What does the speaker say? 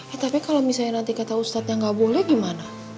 eh tapi kalau misalnya nanti kata ustadznya nggak boleh gimana